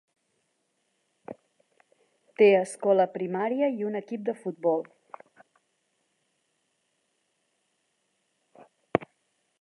Té escola primària i un equip de futbol.